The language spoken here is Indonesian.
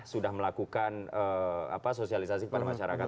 sudah melakukan sosialisasi kepada masyarakat